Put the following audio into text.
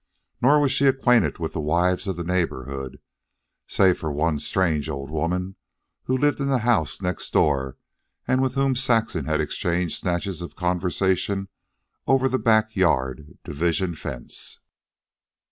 Nor was she acquainted with the wives of the neighborhood, save for one strange old woman who lived in the house next door and with whom Saxon had exchanged snatches of conversation over the backyard division fence.